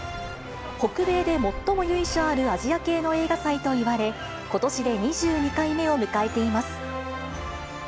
北米で最も由緒あるアジア系の映画祭といわれ、ことしで２２回目を迎えています。